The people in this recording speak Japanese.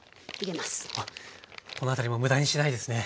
あっこの辺りも無駄にしないですね。